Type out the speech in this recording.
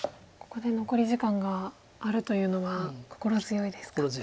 ここで残り時間があるというのは心強いですか。